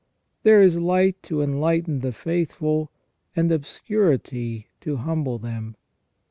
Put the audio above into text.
There is light to enlighten the faithful, and obscurity to humble them.